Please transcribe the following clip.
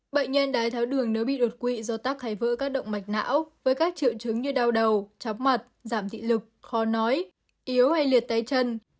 bệnh nhân đái tháo đường nếu bị đột quỵ do tắc hài vỡ các động mạch não với các triệu chứng như đau đầu chóng mặt giảm thị lực khó nói yếu hay liệt tay chân